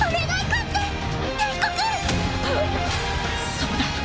そうだ！